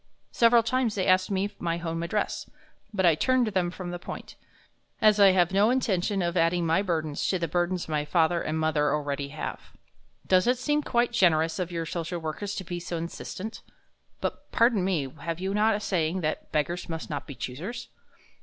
Several times they asked me my home address, but I turned them from the point, as I have no intention of adding my burdens to the burdens my father and mother already have.... Does it seem quite generous of your social workers to be so insistent?... But, pardon me, have you not a saying that 'Beggars must not be choosers?'"